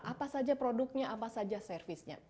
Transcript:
apa saja produknya apa saja servisnya